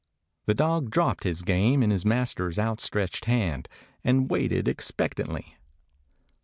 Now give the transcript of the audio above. The dog dropped his game in his master's outstretched hand, and waited expectantly.